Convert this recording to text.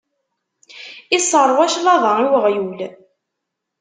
Isseṛwa cclaḍa i uɣyul.